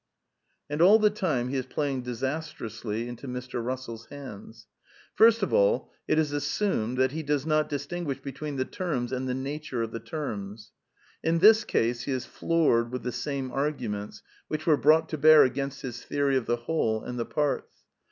And all the time he is playing disastrously into Mr. Bussell's hands. First of all, it ir aflfliTTnpj^ 1;l)5it bPi ^QggJL H Ot ^^flt llJglV^h b etween the tem i sand the natui e^fjbhe terms. In this case he is iloorecl with the same argumentjr which were brought to bear against his theory of the whole and the parts.